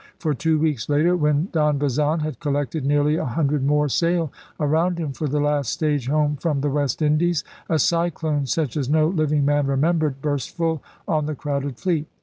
For, two weeks later, when Don Bazan had collected nearly a hundred more sail around him for the last stage home from the West Indies, a cyclone such as no living man remembered burst full on the crowded fleet.